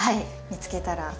見つけたら。